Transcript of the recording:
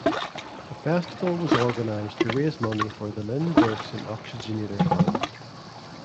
The festival was organized to raise money for the Lynne Derksen Oxygenator Fund.